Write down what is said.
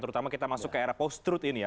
terutama kita masuk ke era post truth ini ya